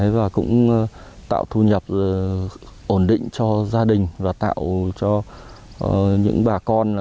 và cũng tạo thu nhập ổn định cho gia đình và tạo cho những bà con